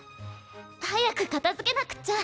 早く片づけなくっちゃ。